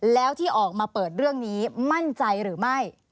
แล้วที่ออกมาเปิดเรื่องนี้มั่นใจหรือไม่